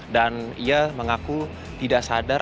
dan ia mengaku tidak sadar